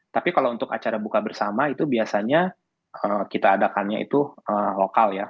tapi kalau untuk acara buka bersama itu biasanya kita adakannya itu lokal ya